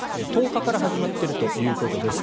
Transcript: １０日から始まっているということです。